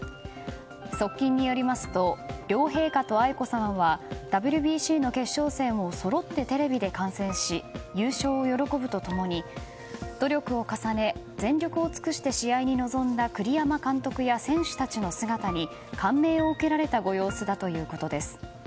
側近によりますと両陛下と愛子さまはＷＢＣの決勝戦をそろってテレビで観戦し優勝を喜ぶと共に努力を重ね全力を尽くして試合に臨んだ栗山監督や選手たちの姿に感銘を受けられたご様子だということです。